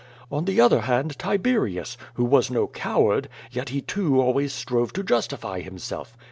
On the other hand Tiberius, who was no coward, yet he too always strove to justify himself.